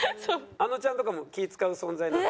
あのちゃんとかも気ぃ使う存在なの？